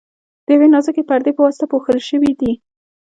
د یوې نازکې پردې په واسطه پوښل شوي دي.